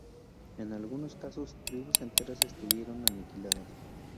En algunos casos, tribus enteras estuvieron aniquiladas.